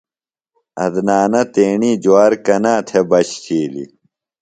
عدنانہ تیݨی جُوار کنا تھےۡ بچ تِھیلیۡ؟